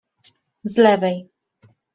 z lewej.